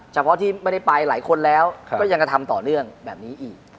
เฉพาะที่ไม่ได้ไปหลายคนแล้วก็ยังกระทำต่อเนื่องแบบนี้อีก